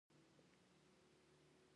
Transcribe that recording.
د پښتنو په کلتور کې د حلال رزق ګټل جهاد دی.